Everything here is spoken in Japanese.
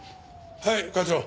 はい課長。